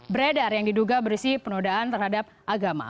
beredar yang diduga berisi penodaan terhadap agama